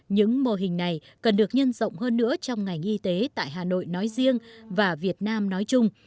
những mô hình này cần được nhân rộng hơn nữa trong ngành y tế tại hà nội nói riêng và việt nam nói chung